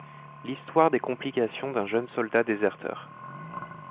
L’histoire des complications d’un jeune soldat déserteur.